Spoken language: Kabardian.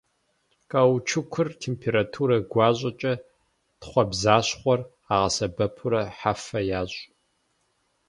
Каучукыр температурэ гуащӏэкӏэ тхъуэбзащхъуэр къагъэсэбэпурэ хьэфэ ящӏ.